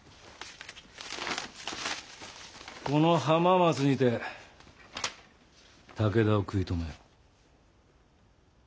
この浜松にて武田を食い止めよ。